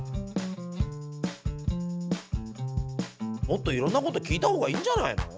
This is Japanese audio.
もっといろんなこと聞いたほうがいいんじゃないの？